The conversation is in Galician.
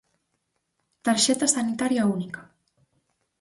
Tarxeta sanitaria única.